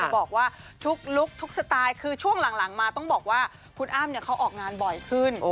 บอกว่าทุกลุคทุกสไตล์คือช่วงหลังมาต้องบอกว่าคุณอ้ำเขาออกงานบ่อยขึ้น